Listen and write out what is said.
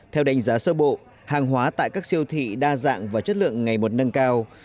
theo đánh giá sơ bộ hàng hóa tại các siêu thị đa dạng và chất lượng ngày một nâng cao